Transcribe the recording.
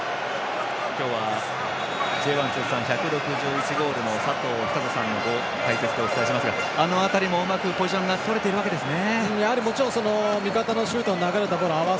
今日はＪ１通算１５１ゴールの佐藤寿人さんの解説でお伝えしますがあの辺りもポジションを取れていたんですね。